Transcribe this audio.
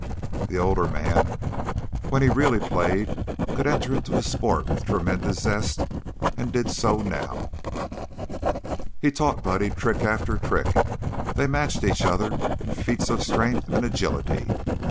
The older man, when he really played, could enter into sport with tremendous zest and he did so now; he taught Buddy trick after trick; they matched each other in feats of strength and agility.